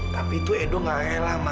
tapi itu edo gak elah ma